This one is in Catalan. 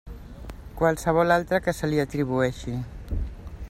Qualsevol altra que se li atribueixi.